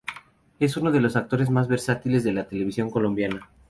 Es uno de los actores más versátiles de la televisión colombiana.